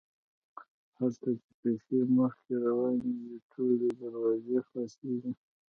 هلته چې پیسې مخکې روانې وي ټولې دروازې خلاصیږي.